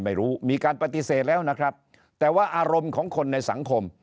ไม่รู้มีการปฏิเสธแล้วนะครับแต่ว่าอารมณ์ของคนในสังคม